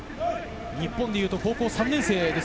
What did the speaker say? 日本で言うと高校３年生です。